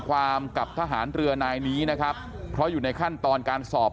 กับทหารเรือนายนี้นะครับเพราะอยู่ในขั้นตอนการสอบ